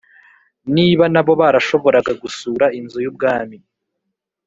niba na bo barashoboraga gusura Inzu y Ubwami